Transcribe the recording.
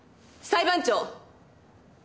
裁判長。